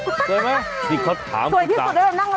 ดิเขาถามคุณสามีสวยที่สุดนั่งกับสองคน